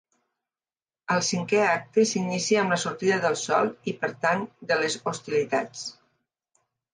El cinquè acte s'inicia amb la sortida del sol i per tant de les hostilitats.